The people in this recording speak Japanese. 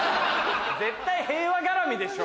絶対平和絡みでしょ。